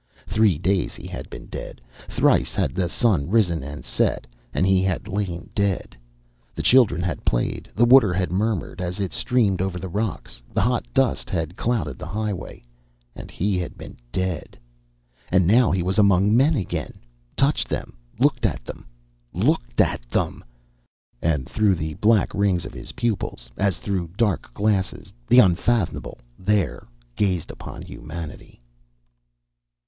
Three days he had been dead. Thrice had the sun risen and set and he had lain dead. The children had played, the water had murmured as it streamed over the rocks, the hot dust had clouded the highway and he had been dead. And now he was among men again touched them looked at them looked at them! And through the black rings of his pupils, as through dark glasses, the unfathomable There gazed upon humanity.